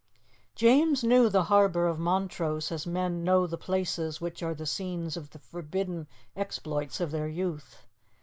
James knew the harbour of Montrose as men know the places which are the scenes of the forbidden exploits of their youth.